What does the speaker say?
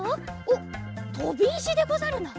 おっとびいしでござるな。